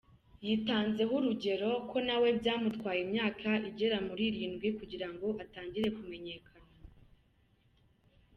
Yitanzeho urugero ko na we byamutwaye imyaka igera muri irindwi kugira ngo atangire kumenyekana.